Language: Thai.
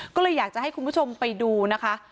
ก็เลยอยากจะให้คุณผู้ชมไปดูนะคะ